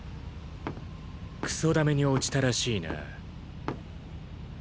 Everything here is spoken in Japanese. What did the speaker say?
糞溜めに落ちたらしいな。